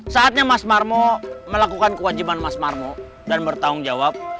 saatnya mas marmo melakukan kewajiban mas marmo dan bertanggung jawab